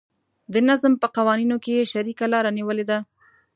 د نظم په قوانینو کې یې شریکه لاره نیولې ده.